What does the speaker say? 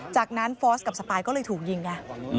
จากนั้นฟอร์สกับสปายก็เลยถูกยิงไง